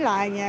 có lúc nào